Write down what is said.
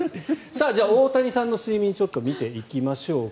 じゃあ大谷さんの睡眠を見ていきましょうか。